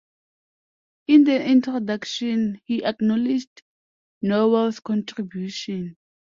In the introduction he acknowledged Nowell's contribution.